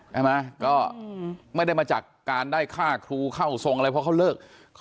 ใช่ไหมก็ไม่ได้มาจากการได้ค่าครูเข้าทรงอะไรเพราะเขาเลิก